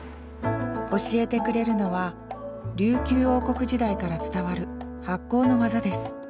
教えてくれるのは琉球王国時代から伝わる発酵の技です。